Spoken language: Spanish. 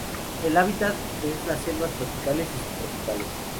El hábitat es las selvas tropicales y sub-tropicales.